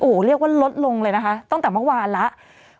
เรียกว่าลดลงเลยนะคะตั้งแต่เมื่อวานแล้ว